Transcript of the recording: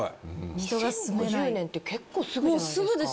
２０５０年って結構すぐじゃないですか？